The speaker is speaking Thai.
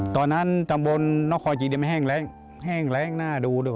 ตอนนั้นต่ำบนน้องคอยจดิมแห้งแรงหน้าดูด้วย